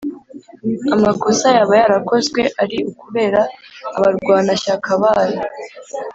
amakosa yaba yarakozwe ari ukubera abarwanashyaka bayo